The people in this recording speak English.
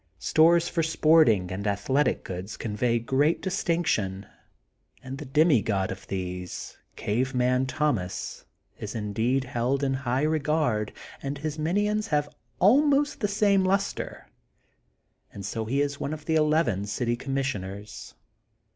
Stores for sporting and athletic goods con vey great distinction. And the demi god of these, Cave Man Thomas, is indeed held in high regard and his minions have almost the same lustre, and so he is one of the eleven city commissioners.